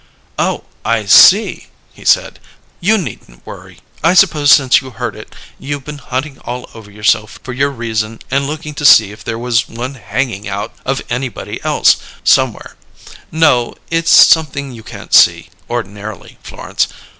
"Oh! I see!" he said. "You needn't worry. I suppose since you heard it you've been hunting all over yourself for your reason and looking to see if there was one hanging out of anybody else, somewhere. No; it's something you can't see, ordinarily, Florence.